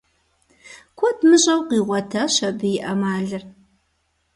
Куэд мыщӏэу къигъуэтащ абы и ӏэмалыр.